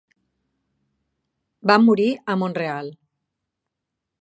Va morir a Montreal.